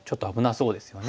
そうですね。